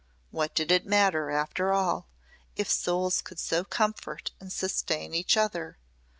What did it matter after all if souls could so comfort and sustain each other?